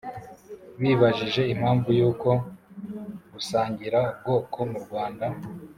bibajije impamvu y'uko gusangira ubwoko mu rwanda